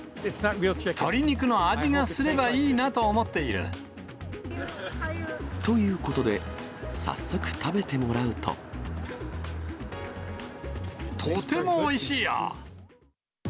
鶏肉の味がすればいいなと思ということで、早速食べてもとてもおいしいよ。